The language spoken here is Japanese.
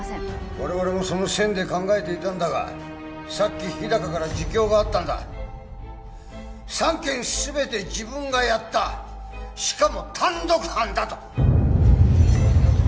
我々もその線で考えていたんだがさっき日高から自供があったんだ三件全て自分がやったしかも単独犯だと！